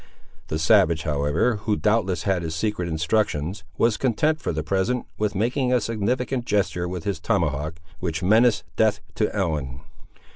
The savage, however, who doubtless had his secret instructions, was content, for the present, with making a significant gesture with his tomahawk, which menaced death to Ellen.